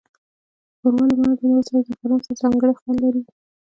ښوروا له مالګې، مرچ، او زعفران سره ځانګړی خوند لري.